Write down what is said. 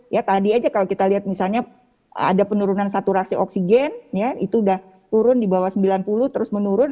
ya tadi aja kalau kita lihat misalnya ada penurunan saturasi oksigen ya itu udah turun di bawah sembilan puluh terus menurun